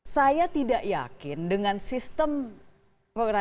saya tidak yakin dengan sistem pengadilan dan pengadilan dan penegakan